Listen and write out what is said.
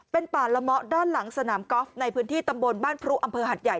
เป็นป่าละเมาะด้านหลังสนามกอล์ฟในพื้นที่ตำบลบ้านพรุอำเภอหัดใหญ่